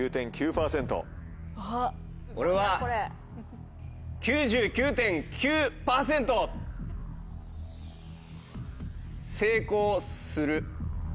俺は９９．９％成功する。